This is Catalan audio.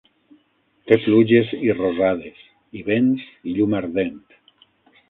Té pluges i rosades i vents i llum ardent.